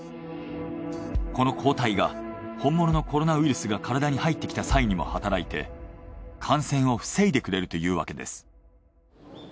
この抗体が本物のコロナウイルスが体に入ってきた際にも働いて感染を防いでくれるというわけです。